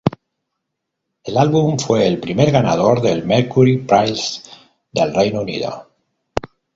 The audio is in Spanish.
El álbum fue el primer ganador del Mercury Prize del Reino Unido.